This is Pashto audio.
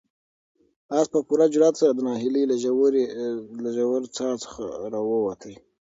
آس په پوره جرئت سره د ناهیلۍ له ژورې څاه څخه راووت.